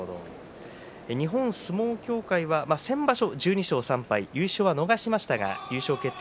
日本相撲協会は先場所、１２勝３敗優勝は逃しましたが優勝決定